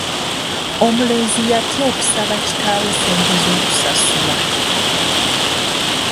Omulenzi yatya okusaba kitaawe ssente z'okusasula.